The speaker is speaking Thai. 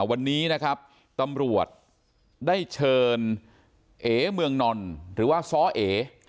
วันนี้นะครับตำรวจได้เชิญเอเมืองนอนหรือว่าซ้อเอ